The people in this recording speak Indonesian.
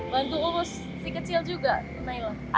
bantu urus si kecil juga naila